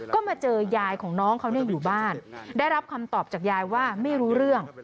ก็มาเจอยายของน้องเขาอยู่บ้านได้รับคำตอบจากยายว่าไม่รู้เรื่อง